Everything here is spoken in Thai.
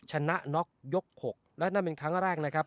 ชนะน็อกยก๖และนั่นเป็นครั้งแรกนะครับ